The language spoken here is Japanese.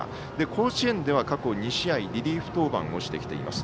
甲子園では過去２試合リリーフ登板をしてきています。